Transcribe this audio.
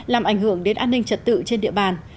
làm ảnh hưởng đến an ninh trật tự trên địa bàn